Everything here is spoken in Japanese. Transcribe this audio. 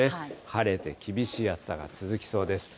晴れて厳しい暑さが続きそうです。